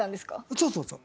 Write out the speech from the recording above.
そうそうそう。